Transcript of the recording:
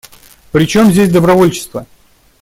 Причем здесь добровольчество?